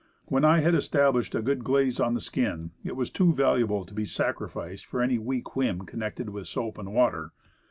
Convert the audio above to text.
When I had established a good glaze on the skin, it was too valuable to be sacrificed for any weak whim con nected with soap and water.